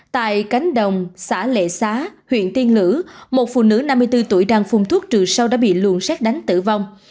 tại cánh đồng xã lệ xá huyện tiên lữ một phụ nữ năm mươi bốn tuổi đang phun thuốc trừ sâu đã bị luồn xét đánh tử vong